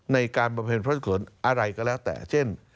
ในการประเภนพระธุรกษ์อะไรก็แล้วแต่เช่น